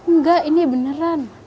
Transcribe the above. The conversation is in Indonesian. nggak ini beneran